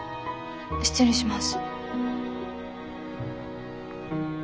失礼します。